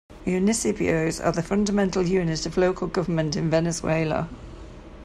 "Municipios" are the fundamental unit of local government in Venezuela.